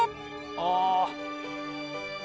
「ああ！」